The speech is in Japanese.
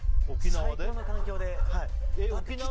最高の環境で。